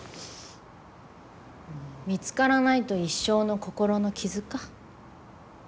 見つからないと一生の心の傷か。